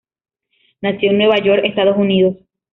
Nació en Nueva York, Estados Unidos.